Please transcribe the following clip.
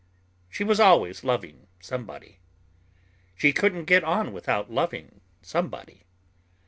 She was always loving somebody. She couldn't get on without loving somebody.